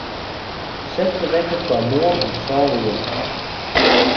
Set de wekker foar moarn om sân oere.